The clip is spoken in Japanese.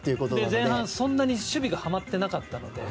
前半はそんなに守備がはまっていなかったので。